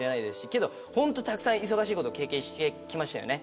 けど本当たくさん忙しいこと経験して来ましたよね。